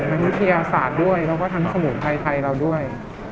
วิทยาศาสตร์ด้วยแล้วก็ทั้งสมุนไพรไทยเราด้วย